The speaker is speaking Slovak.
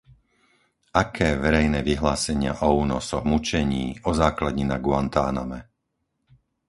Aké verejné vyhlásenia o únosoch, mučení, o základni na Guantáname?